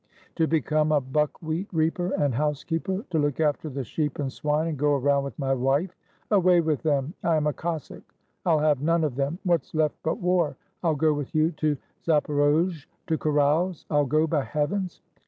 To become a buckwheat reaper and housekeeper, to look after the sheep and swine, and go around with my wife? Away with them ! I am a Cossack; I'll have none of them! What's left but war! I'll go with you to Zaporozhe to carouse; I'll go, by Heavens!"